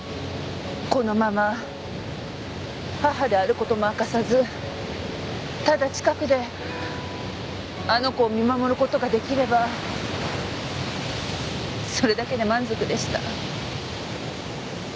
このまま母である事も明かさずただ近くであの子を見守る事が出来ればそれだけで満足でした。